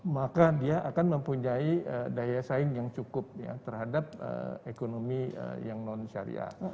maka dia akan mempunyai daya saing yang cukup terhadap ekonomi yang non syariah